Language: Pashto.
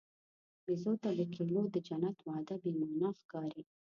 بیزو ته د کیلو د جنت وعده بېمعنی ښکاري.